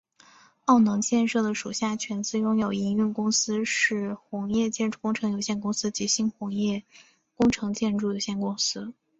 澳能建设的属下全资拥有营运公司是鸿业建筑工程有限公司及新鸿业工程建筑有限公司。